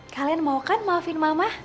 kalian mau kan maafin mamah